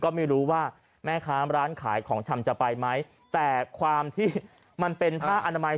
ก็ไม่รู้ว่าแม่ค้าร้านขายของชำจะไปไหมแต่ความที่มันเป็นผ้าอนามัย